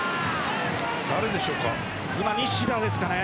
今、西田ですかね。